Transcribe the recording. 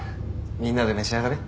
みんなで召し上がれ。